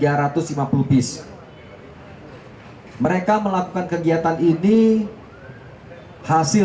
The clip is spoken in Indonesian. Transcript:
dari hasil pemeriksaan laboratorium obat dan suplemen palsu ini dapat membahayakan ginjal hati bahkan bisa menyebabkan kematian